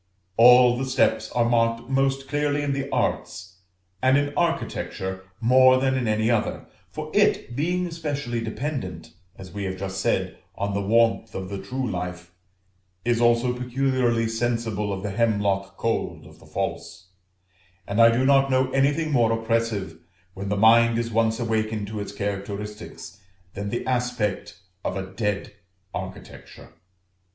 All the steps are marked most clearly in the arts, and in Architecture more than in any other; for it, being especially dependent, as we have just said, on the warmth of the true life, is also peculiarly sensible of the hemlock cold of the false; and I do not know anything more oppressive, when the mind is once awakened to its characteristics, than the aspect of a dead architecture.